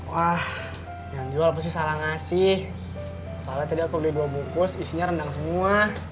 wah yang jual pasti salah ngasih soalnya tadi aku udah bawa bungkus isinya rendang semua